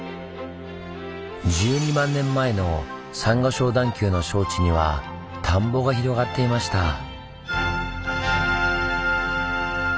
１２万年前のサンゴ礁段丘の礁池には田んぼが広がっていました。